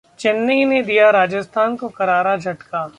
चेन्नई ने दिया राजस्थान को करारा झटका